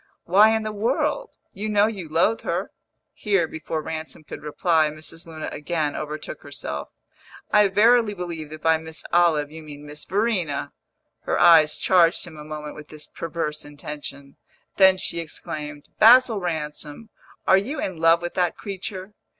"Why in the world? You know you loathe her!" Here, before Ransom could reply, Mrs. Luna again overtook herself. "I verily believe that by Miss Olive you mean Miss Verena!" Her eyes charged him a moment with this perverse intention; then she exclaimed, "Basil Ransom, are you in love with that creature?"